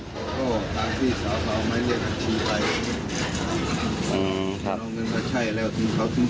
ภรรยาเอาเงินมาใช้แล้วทุกนี้เขาต้องโทรมา